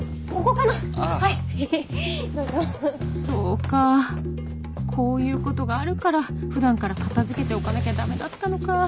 そうかこういうことがあるから普段から片付けておかなきゃダメだったのか